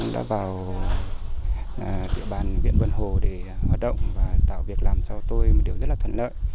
đã vào địa bàn huyện vận hồ để hoạt động và tạo việc làm cho tôi một điều rất là thuận lợi